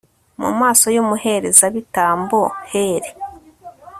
mu maso y'umuherezabitambo heli